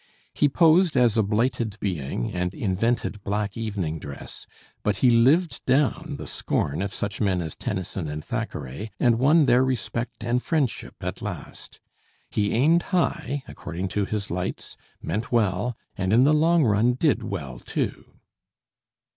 He posed as a blighted being, and invented black evening dress; but he lived down the scorn of such men as Tennyson and Thackeray, and won their respect and friendship at last. He aimed high, according to his lights, meant well, and in the long run did well too.